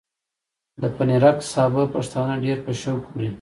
د پنېرک سابه پښتانه ډېر په شوق خوري۔